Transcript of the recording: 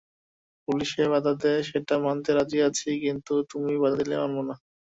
পুলিসে বাধা দেয় সেটা মানতে রাজি আছি কিন্তু তুমি বাধা দিলে মানব না।